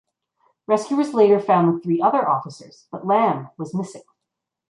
Rescuers later found the three other officers but Lam was missing.